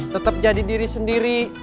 tetep jadi diri sendiri